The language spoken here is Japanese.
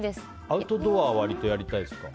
アウトドアは割とやりたいですか。